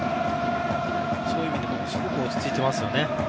そういう意味でもすごく落ち着いていますよね。